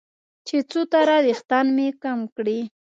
چې څو تاره وېښتان مې کم کړي.